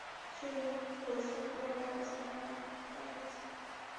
সে দিনরাত পরিশ্রম করে আমার কাছে টাকা পাঠিয়েছে।